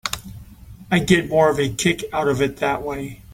I get more of a kick out of it that way.